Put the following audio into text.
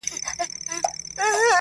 موږ په هر يو گاونډي وهلی گول دی~